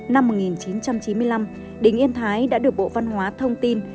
năm một nghìn chín trăm chín mươi năm đình yên thái đã được bộ văn hóa thông tin